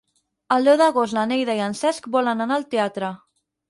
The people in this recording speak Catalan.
El deu d'agost na Neida i en Cesc volen anar al teatre.